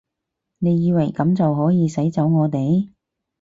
你以為噉就可以使走我哋？